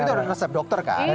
tapi itu udah resep dokter kan